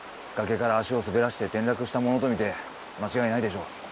崖から足を滑らせて転落したものとみて間違いないでしょう。